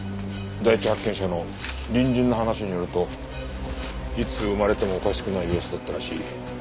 第一発見者の隣人の話によるといつ生まれてもおかしくない様子だったらしい。